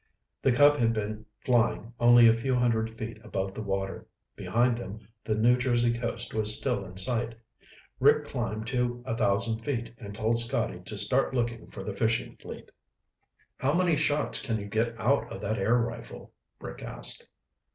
The Cub had been flying only a few hundred feet above the water. Behind them, the New Jersey coast was still in sight. Rick climbed to a thousand feet and told Scotty to start looking for the fishing fleet. "How many shots can you get out of that air rifle?" Rick asked.